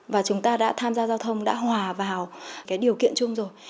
và chúng ta đã tham gia giao thông đã hòa vào cái điều kiện chung rồi